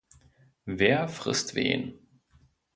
Wer frisst wen?